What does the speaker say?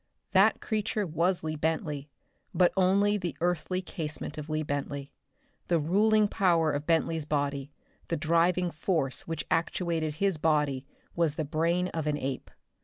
That creature was Lee Bentley; but only the earthly casement of Lee Bentley. The ruling power of Bentley's body, the driving force which actuated his body, was the brain of an ape.